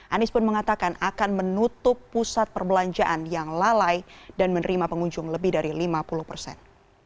anies pun mengatakan akan menutup pusat perbelanjaan yang lalai dan menerima pengunjung lebih dari lima puluh persen